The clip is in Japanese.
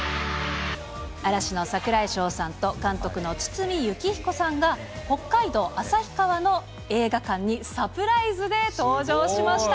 嵐の櫻井翔さんと監督の堤幸彦さんが、北海道旭川の映画館に、サプライズで登場しました。